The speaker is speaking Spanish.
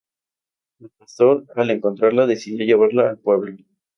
El pastor al encontrarla decidió llevarla al pueblo.